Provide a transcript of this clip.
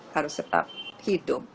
harus tetap hidup